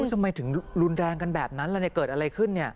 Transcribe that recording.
อุ้ยทำไมถึงรุนแรงกันแบบนั้นแล้วเนี่ยเกิดอะไรขึ้นเนี่ย